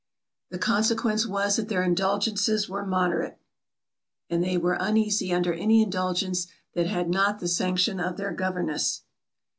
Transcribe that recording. The consequence was, that their indulgences were moderate, and they were uneasy under any indulgence that had not the sanction of their governess.